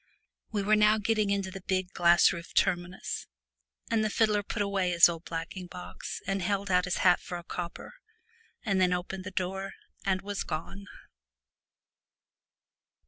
We were now getting into the big glass roofed terminus, and the fiddler put away his old blacking box and held out his hat for a copper, and then opened the door and was gone.